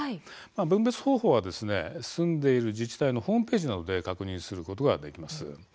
分別方法は住んでいる自治体のホームページなどで確認することができます。